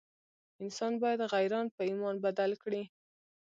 انسان باید غیران په ایمان بدل کړي.